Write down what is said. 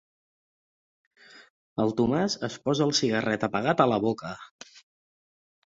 El Tomàs es posa el cigarret apagat a la boca.